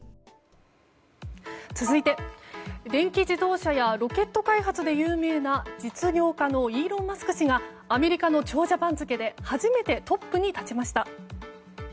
続いて、電気自動車やロケット開発で有名な実業家のイーロン・マスク氏がアメリカの長者番付で初めてトップに立ちました。